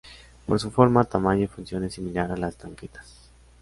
Por su forma, tamaño y función es similar a las tanquetas.